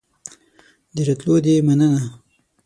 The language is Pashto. د راتلو دي مننه